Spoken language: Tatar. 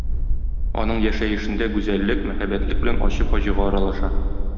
Аның яшәешендә гүзәллек, мәһабәтлек белән ачы фаҗига аралаша.